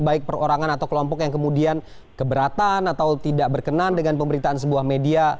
baik perorangan atau kelompok yang kemudian keberatan atau tidak berkenan dengan pemberitaan sebuah media